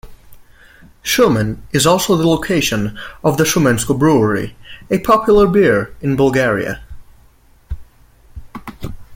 Shumen is also the location of the Shumensko Brewery, a popular beer in Bulgaria.